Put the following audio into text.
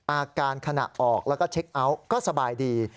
อาการขณะออกแล้วก็เช็คเอาท์ก็สบายดี